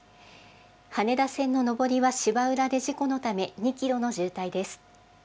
羽田線の上りは芝浦で事故のため２キロの渋滞です。